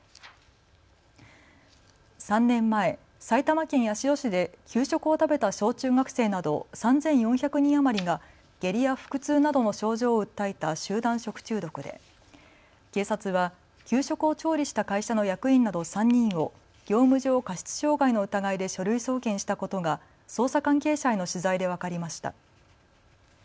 ３年前、埼玉県八潮市で給食を食べた小中学生など３４００人余りが下痢や腹痛などの症状を訴えた集団食中毒で警察は給食を調理した会社の役員など３人を業務上過失傷害の疑いで書類送検したことが捜査関係者への取材で分かりました。